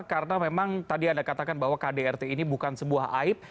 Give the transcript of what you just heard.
karena memang tadi anda katakan bahwa kdrt ini bukan sebuah aib